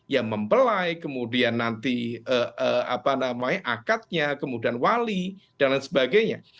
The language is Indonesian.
ya membelai kemudian nanti akadnya kemudian wali dan lain sebagainya